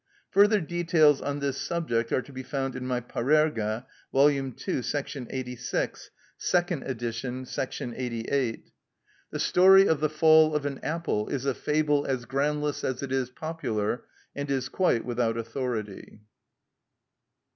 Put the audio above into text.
Further details on this subject are to be found in my "Parerga," vol. ii., § 86 (second edition, § 88). The story of the fall of an apple is a fable as groundless as it is popular, and is quite without authority.